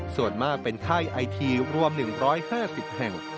ส่วนมากเป็นค่ายไอทีรวม๑๕๐แห่ง